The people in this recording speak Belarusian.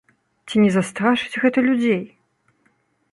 Ці не застрашыць гэта людзей?